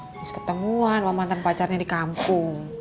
habis ketemuan mamatan pacarnya di kampung